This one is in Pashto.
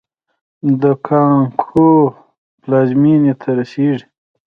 د کانګو پلازمېنې ته رسېږي.